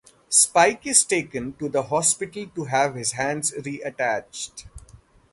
Spike is taken to the hospital to have his hands reattached.